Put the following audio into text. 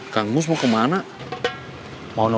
kau mau kemana mana